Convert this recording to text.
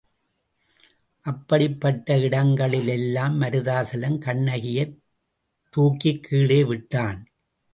அப்படிப்பட்ட இடங்களிலெல்லாம் மருதாசலம் கண்ணகியைத் தூக்கிக் கீழே விட்டான்.